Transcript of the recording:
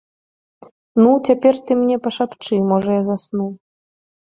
Ну, цяпер ты мне пашапчы, можа, я засну.